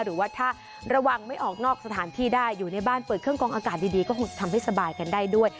หรือว่าถ้าระวังไม่ออกนอกสถานที่ได้อยู่ในบ้านเปิดเครื่องกองอากาศดีก็คงจะทำให้สบายกันได้ด้วย